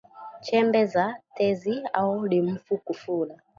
Chembe za tezi au limfu kufura